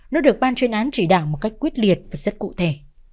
nó được ban chuyên án chỉ đạo một cách quyết liệt và rất cụ thể